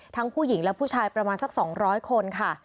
ผู้หญิงและผู้ชายประมาณสัก๒๐๐คนค่ะ